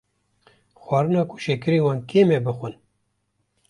Xwarina ku şekîrên wan kêm e bixwin,.